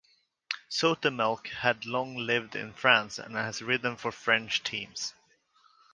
Zoetemelk had long lived in France and ridden for French teams.